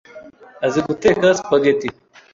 azi guteka spaghetti.